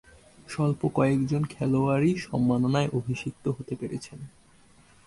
স্বল্প কয়েকজন খেলোয়াড়ই এ সম্মাননায় অভিষিক্ত হতে পেরেছেন।